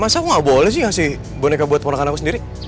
masa aku gak boleh sih ngasih boneka buat temen temen aku sendiri